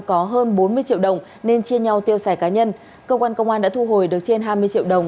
có hơn bốn mươi triệu đồng nên chia nhau tiêu xài cá nhân cơ quan công an đã thu hồi được trên hai mươi triệu đồng